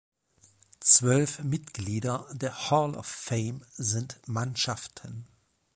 Zwölf Mitglieder der Hall of Fame sind Mannschaften.